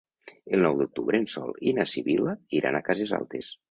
El nou d'octubre en Sol i na Sibil·la iran a Cases Altes.